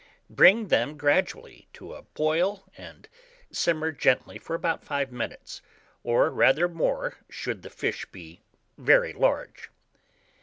Bring them gradually to a boil, and simmer gently for about 5 minutes, or rather more should the fish be very large.